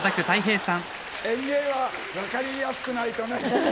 演芸は分かりやすくないとね。